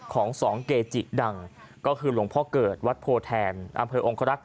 ของสองเกจิดังก็คือหลวงพ่อเกิดวัดโพแทนอำเภอองครักษ์